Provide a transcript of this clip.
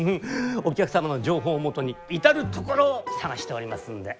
お客様の情報をもとに至る所を探しておりますので。